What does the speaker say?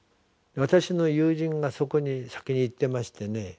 私の友人がそこに先に行ってましてね